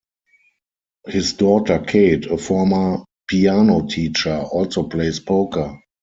His daughter Kate, a former piano teacher, also plays poker.